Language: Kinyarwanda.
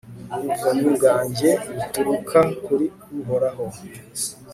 ubuvunyi bwanjye buturuka kuri uhoraho